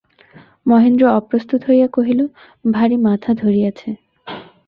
মহেন্দ্র অপ্রস্তুত হইয়া কহিল, ভারি মাথা ধরিয়াছে।